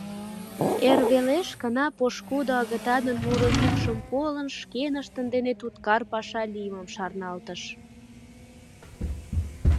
Эр велеш гына, пошкудо агытанын муро йӱкшым колын, шкеныштын дене туткар паша лиймым шарналтыш.